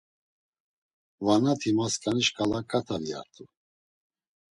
Vanati ma sǩani şǩala ǩata viyart̆u.